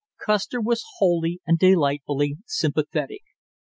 Custer was wholly and delightfully sympathetic.